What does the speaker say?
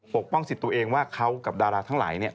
ปกป้องสิทธิ์ตัวเองว่าเขากับดาราทั้งหลายเนี่ย